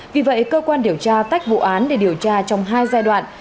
vì vậy cơ quan điều tra tách vụ án để điều tra trong hai giai đoạn